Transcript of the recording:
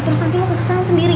terus nanti lo kesusahan sendiri